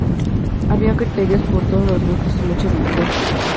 Había criterios para todos los gustos y mucha división.